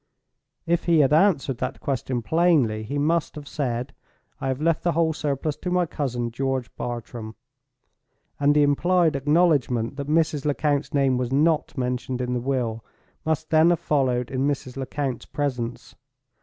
If he had answered that question plainly, he must have said: "I have left the whole surplus to my cousin, George Bartram"—and the implied acknowledgment that Mrs. Lecount's name was not mentioned in the will must then have followed in Mrs. Lecount's presence.